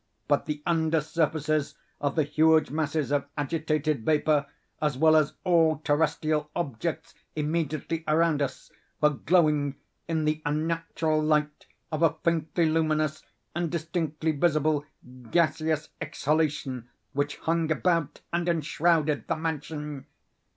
But the under surfaces of the huge masses of agitated vapor, as well as all terrestrial objects immediately around us, were glowing in the unnatural light of a faintly luminous and distinctly visible gaseous exhalation which hung about and enshrouded the mansion.